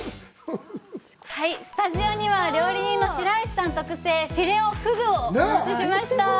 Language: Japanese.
スタジオには料理人の白石さん特製フィレ・オ・ふぐをお持ちしました。